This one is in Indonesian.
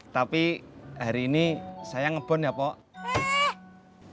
tapi hari ini saya ngebun ya pok